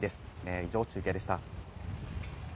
以上、中継でした。